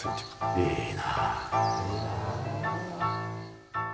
いいなあ。